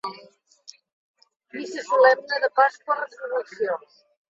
Missa solemne de Pasqua de Resurrecció.